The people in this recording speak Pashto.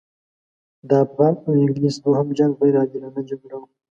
د افغان او انګلیس دوهم جنګ غیر عادلانه جګړه وه.